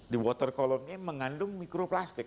di water column nya mengandung mikroplastik